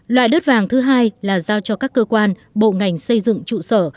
loại đất vàng thứ hai là giao cho các cơ quan bộ ngành xây dựng trụ sở